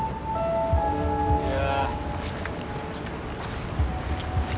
いや。